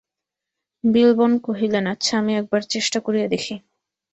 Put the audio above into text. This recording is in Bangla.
বিল্বন কহিলেন, আচ্ছা, আমি একবার চেষ্টা করিয়া দেখি।